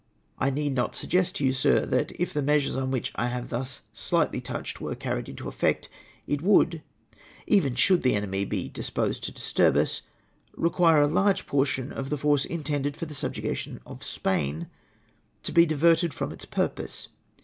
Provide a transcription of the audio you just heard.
" I need not suggest to you, Sir, that if the measures on which I have tlius_ slightly touched were carried into effect, it would — even should the enemy be disposed to disturb us — require a large portion of the force intended fo)' the subjuga tion of Spain, to be diverted from its purpose.